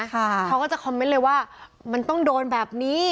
เขาก็จะคอมเมนต์เลยว่ามันต้องโดนแบบนี้